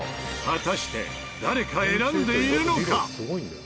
果たして誰か選んでいるのか？